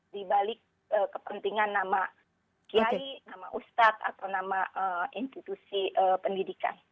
di balik kepentingan nama kiai nama ustadz atau nama institusi pendidikan